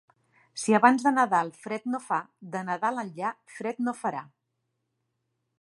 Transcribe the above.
Si abans de Nadal fred no fa, de Nadal enllà, fred no farà.